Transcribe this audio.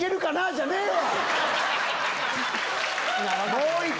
じゃねえわ！